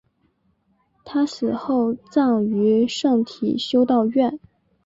她死后葬于圣体修道院。